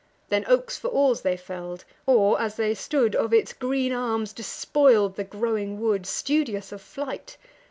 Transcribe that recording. Then oaks for oars they fell'd; or, as they stood, Of its green arms despoil'd the growing wood, Studious of flight.